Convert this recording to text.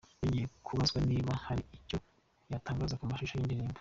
Yongeye kubazwa niba hari icyo yatanngaza ku mashusho yindirimbo.